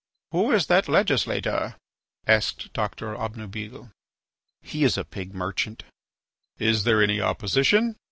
"Who is that legislator?" asked Doctor Obnubile. "He is a pig merchant." "Is there any opposition?"